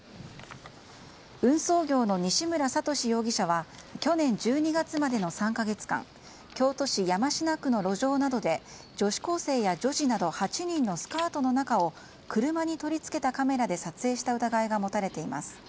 運送業の西村智至容疑者は去年１２月までの３か月間京都市山科区の路上などで女子高生や女児など８人のスカートの中を車に取り付けたカメラで撮影した疑いが持たれています。